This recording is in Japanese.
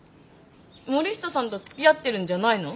森下さんとつきあってるんじゃないの？